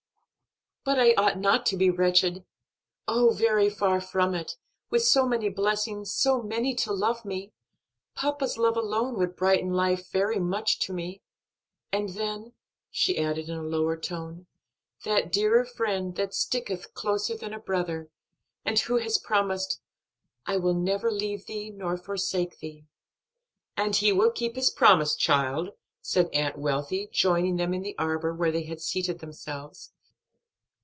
"But I ought not to be wretched oh, very far from it, with so many blessings, so many to love me! Papa's love alone would brighten life very much to me. And then," she added in a lower tone, "'that dearer Friend that sticketh closer than a brother,' and who has promised, 'I will never leave thee nor forsake thee.'" "And He will keep His promise, child," said Aunt Wealthy, joining them in the arbor where they had seated themselves.